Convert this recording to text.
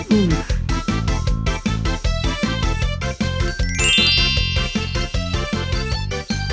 อืม